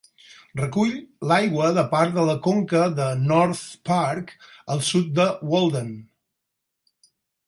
Recull l'aigua de part de la conca de North Park, al sud de Walden.